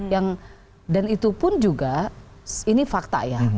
yang dan itu pun juga ini fakta ya